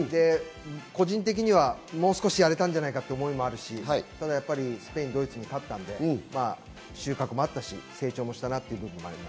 個人的にはもう少しやれたんじゃないかという思いもあるし、ただ、スペインとドイツに勝ったので収穫もあったし、成長もしたなという部分もあります。